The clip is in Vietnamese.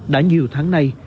đã nhiều tháng nay